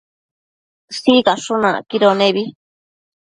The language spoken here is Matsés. Sicashun acquido nebi